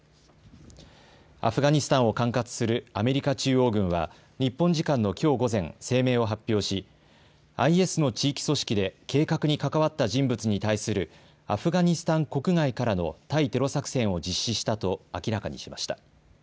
アフガニスタンを管轄するアメリカ中央軍は日本時間のきょう午前、声明を発表し、ＩＳの地域組織で計画に関わった人物に対するアフガニスタン国外からの対テロ作戦を実施したと明らかにしました。